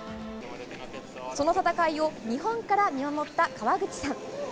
その戦いを日本から見守った川口さん。